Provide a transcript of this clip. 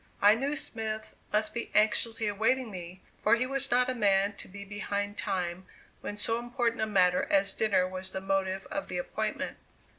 I knew Smith must be anxiously awaiting me, for he was not a man to be behind time when so important a matter as dinner was the motive of the appointment.